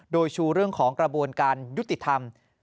โดยชูเรื่องของกระบวนการยุติธรรม